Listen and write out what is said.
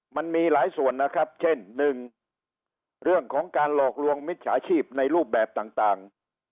มันมีหลายส่วนนะครับเช่นหนึ่งเรื่องของการหลอกลวงมิจฉาชีพในรูปแบบต่าง